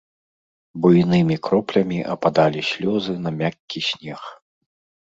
Буйнымі кроплямі ападалі слёзы на мяккі снег.